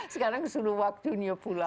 sekarang sudah waktunya pulang